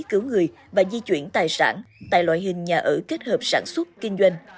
cứu người và di chuyển tài sản tại loại hình nhà ở kết hợp sản xuất kinh doanh